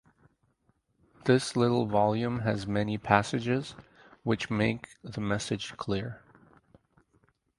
This little volume has many passages which make the message clear.